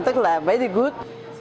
tức là very good